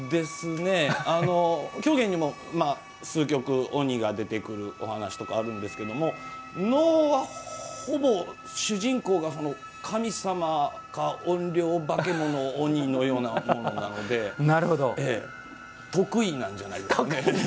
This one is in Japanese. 狂言にもいくつか鬼が出てくるお話とかあるんですけれども能は、ほぼ主人公が神様か怨霊、化け物鬼のようなものなので得意なんじゃないですかね。